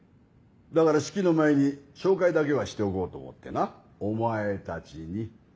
だから式の前に紹介だけはしておこうと思ってなお前たちに。